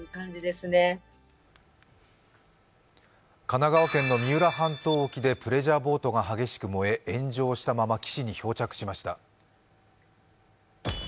神奈川県の三浦半島沖でプレジャーボートが激しく燃え炎上したまま、岸に漂着しました。